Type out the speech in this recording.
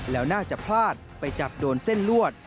แล้วน่าจะพลาดไปจับโดนเส้นลวด